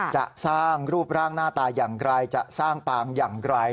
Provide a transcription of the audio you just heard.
จะสร้างรูปร่างหน้าตาอย่างไรจะสร้างปางอย่างไร